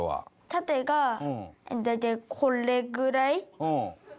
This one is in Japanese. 縦が大体これぐらい。